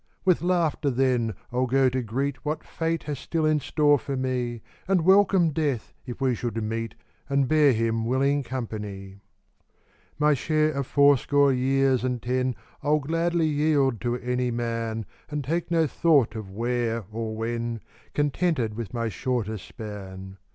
With laughter, then, I'll go to greet What Fate has still in store for me, And welcome Death if we should meet, And bear him willing company. My share of fourscore years and ten I'll gladly yield to any man, And take no thought of " where " or " when," Contented with my shorter span.